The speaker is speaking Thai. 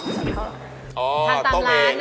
อ๋อทานตามร้านนะ